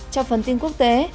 trong phần tin quốc tế